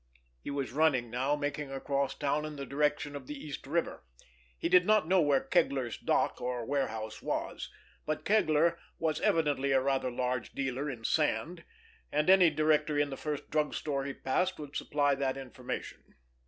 He was running now, making across town in the direction of the East River. He did not know where Kegler's dock or warehouse was, but Kegler was evidently a rather large dealer in sand, and any directory in the first drug store he passed would supply that information.